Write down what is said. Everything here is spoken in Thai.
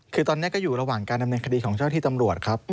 คือตอนนี้ก็อยู่ระหว่างการดำเนินคดีของเจ้าที่ตำรวจครับ